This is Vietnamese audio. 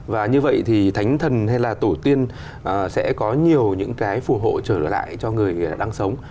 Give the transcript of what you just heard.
và như vậy thì thánh thần hay là tổ tiên sẽ có nhiều những cái phù hộ trở lại cho người đang sống